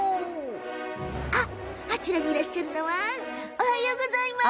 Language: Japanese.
あ、あちらからいらしたのはおはようございます！